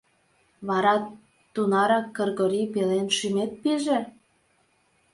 Вара тунарак Кыргорий пелен шӱмет пиже?